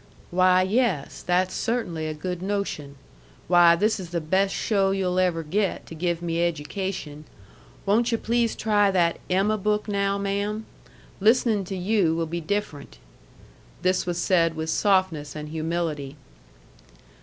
"Why, yes. That's cert'nly a good notion. Why, this is the best show you'll ever get to give me education. Won't yu' please try that EMMA book now, ma'am? Listening to you will be different." This was said with softness and humility.